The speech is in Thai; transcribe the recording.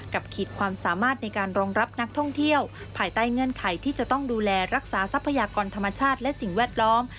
ขีดความสามารถในการรองรับนักท่องเที่ยวภายใต้เงื่อนไขที่จะต้องดูแลรักษาทรัพยากรธรรมชาติและสิ่งแวดล้อม